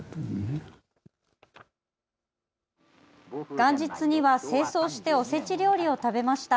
元日には、正装しておせち料理を食べました。